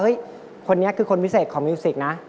คนนี้คือคนพิเศษของมิวสิกนะ